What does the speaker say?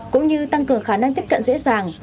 cũng như tăng cường khả năng tiếp cận dễ dàng